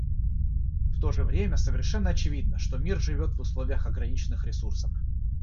В то же время совершенно очевидно, что мир живет в условиях ограниченных ресурсов.